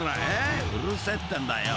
うるせえってんだよ］